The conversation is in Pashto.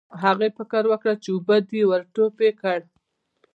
هغې فکر وکړ چې اوبه دي او ور ټوپ یې کړل.